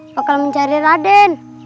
bakal mencari raden